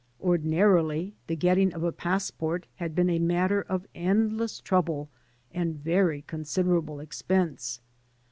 Ordinarily the getting of a passport had been a matter of endless trouble and very considerable expense.